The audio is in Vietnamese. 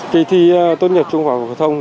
kỳ thi tốt nhật chung khỏe hội thông